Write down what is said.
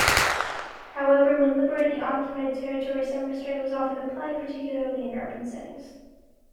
However, when liberating occupied territory some restraint was often applied, particularly in urban settings.